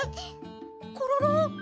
コロロ！？